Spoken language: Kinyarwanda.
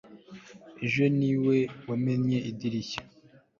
Ejo niwe wamennye idirishya